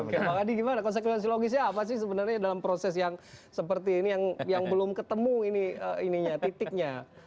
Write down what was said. pak anies gimana konsekuensi logisnya apa sih sebenarnya dalam proses yang seperti ini yang belum ketemu ini ini ya titiknya